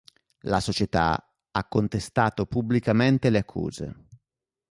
La società ha contestato pubblicamente le accuse.